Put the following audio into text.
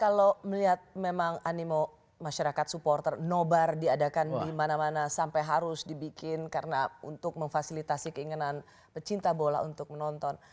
kalau melihat memang animo masyarakat supporter nobar diadakan di mana mana sampai harus dibikin karena untuk memfasilitasi keinginan pecinta bola untuk menonton